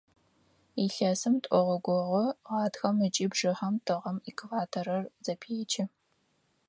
Илъэсым тӀогъогогъо – гъатхэм ыкӀи бжыхьэм тыгъэм экваторыр зэпечы.